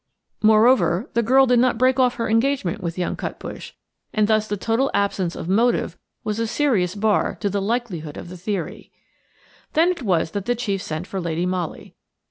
Moreover, the girl did not break off her engagement with young Cutbush, and thus the total absence of motive was a serious bar to the likelihood of the theory. Then it was the Chief sent for Lady Molly.